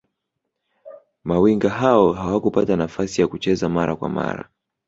mawinga hao hawakupata nafasi ya kucheza mara kwa mara